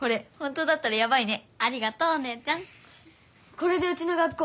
これでうちの学校